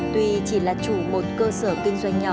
tuy chỉ là chủ một cơ sở kinh doanh nhỏ